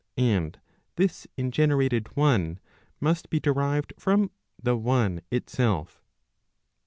[And this ingenerated one must be derived from the one itself.